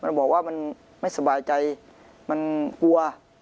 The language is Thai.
มันบอกว่ามันไม่สบายใจมันกลัว